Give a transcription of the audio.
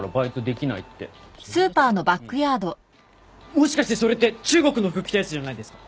もしかしてそれって中国の服着たやつじゃないですか？